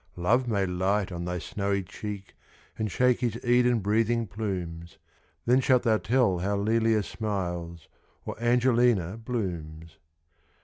Love may light on thy snowy cheek, And shake his Eden breathing plumes; Then shalt thou tell how Lelia smiles, Or Angelina blooms.